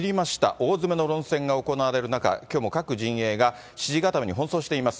大詰めの論戦が行われる中、きょうも各陣営が支持固めに奔走しています。